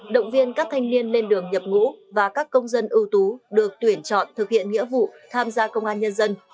động viên các thanh niên lên đường nhập ngũ và các công dân ưu tú được tuyển chọn thực hiện nghĩa vụ tham gia công an nhân dân